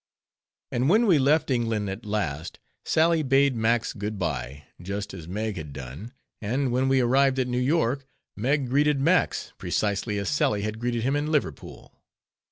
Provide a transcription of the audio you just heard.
And when we left England at last, Sally bade Max good by, just as Meg had done; and when we arrived at New York, Meg greeted Max precisely as Sally had greeted him in Liverpool.